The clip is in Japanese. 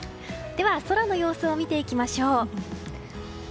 では空の様子を見ていきましょう。